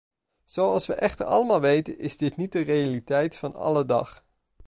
Zoals we echter allemaal weten is dit niet de realiteit van alledag.